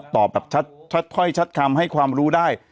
ตอบแบบชัดคำให้ความรู้ได้